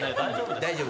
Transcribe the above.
大丈夫？